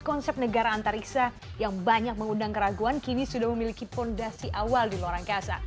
konsep negara antariksa yang banyak mengundang keraguan kini sudah memiliki fondasi awal di luar angkasa